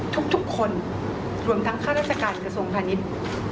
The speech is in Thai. ทุกคนรวมทั้งข้าราชการกระทรวงพาณิชย์